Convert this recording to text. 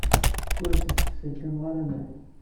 Ur asent-d-sserkameɣ aman.